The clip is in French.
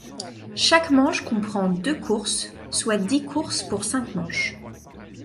Chaque manche comprend deux courses, soit dix courses pour cinq manches.